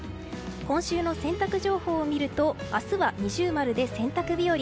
今週の洗濯情報を見ると明日は二重丸で洗濯日和。